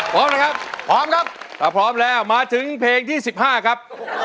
พร้อมนะครับพร้อมครับถ้าพร้อมแล้วมาถึงเพลงที่๑๕ครับ